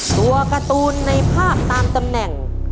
ตัวการ์ตูนในภาพตามตำแหน่ง